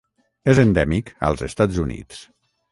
És endèmic als Estats Units.